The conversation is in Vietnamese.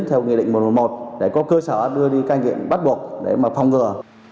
theo nghị định một trăm một mươi một để có cơ sở đưa đi các nghiệp bắt buộc để mà phòng rửa